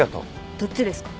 どっちですか？